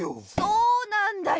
そうなんだよ